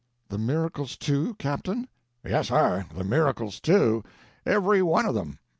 "The miracles, too, captain?" "Yes, sir! the miracles, too. Every one of them.